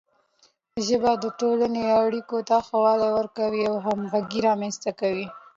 ژبه د ټولنې اړیکو ته ښه والی ورکوي او همغږي رامنځته کوي.